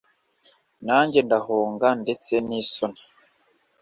Nanjye ndahunga ndetse nisoni